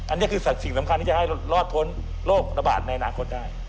อันนี้คือสัตว์สิ่งสำคัญที่จะให้รอดพ้นโรคระบาดในอนาคตได้